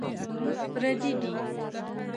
پردي دي.